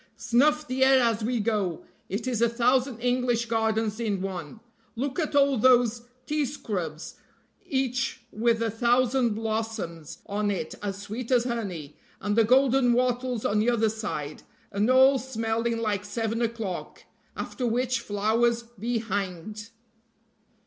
Snuff the air as we go, it is a thousand English gardens in one. Look at all those tea scrubs each with a thousand blossoms on it as sweet as honey, and the golden wattles on the other side, and all smelling like seven o'clock; after which flowers be hanged!"